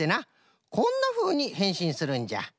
こんなふうにへんしんするんじゃ。